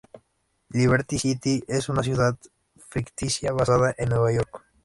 Liberty City es una ciudad ficticia, basada en Nueva York.